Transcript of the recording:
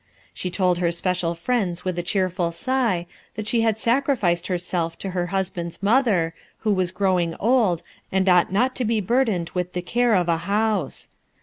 She told her special friends with a cheerful sigh that she had sacrificed herself to her husband's mother, who was growing old and ought not to be burdened with the care of a house.